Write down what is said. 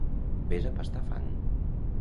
Ves a pastar fang.